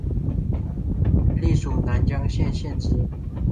历署南江县知县。